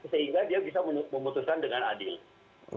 sehingga dia bisa memutuskan dengan adil